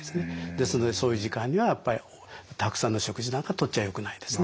ですのでそういう時間にはたくさんの食事なんかとっちゃよくないですね。